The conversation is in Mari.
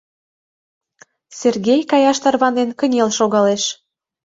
Сергей, каяш тарванен, кынел шогалеш.